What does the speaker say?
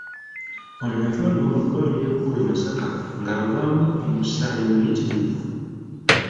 Ono yatwalibwa mu ddwaliro ekkulu e Masaka ng'avaamu omusaayi muyitirivu.